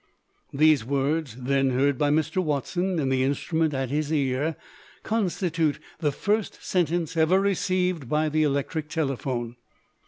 These words, then heard by Mr. Watson in the instrument at his ear, constitute the first sentence ever received by the electric telephone.